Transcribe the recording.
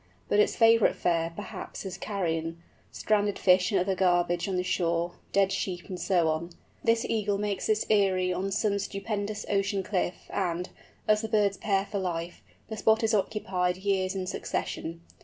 But its favourite fare, perhaps, is carrion—stranded fish and other garbage on the shore, dead sheep, and so on. This Eagle makes its eyrie on some stupendous ocean cliff, and, as the birds pair for life, the spot is occupied years in succession.